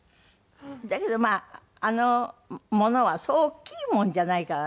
だけどまああのものはそう大きいものじゃないからね。